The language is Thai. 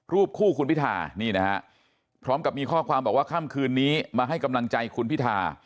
รูปคู่คุณพิธานี่นะฮะพร้อมกับมีข้อความบอกว่าค่ำคืนนี้มาให้กำลังใจคุณพิธา